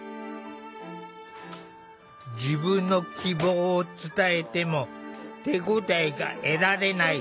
自分の希望を伝えても手応えが得られない。